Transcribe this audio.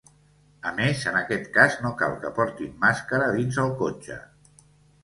A més, en aquest cas, no cal que portin màscara dins el cotxe.